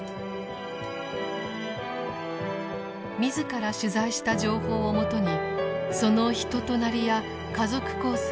自ら取材した情報をもとにその人となりや家族構成